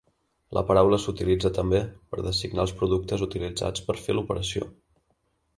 La paraula s'utilitza també per designar els productes utilitzats per fer l'operació.